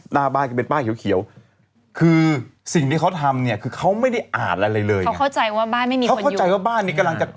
นับวันกันที่หายเลยจานละคราศ